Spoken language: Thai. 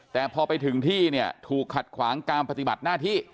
แต่พอไปถึงที่เนี่ยถูกขัดขวางการปฏิบัติหน้าที่